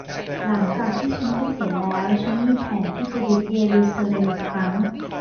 หลังจากที่ฉันเกษียณแล้ว ฉันมีแผนที่จะยึดเยรูซาเล็มอีกครั้ง